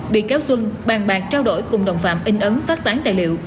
bị cáo xuân bàn bạc trao đổi cùng đồng phạm in ấn phát tán tài liệu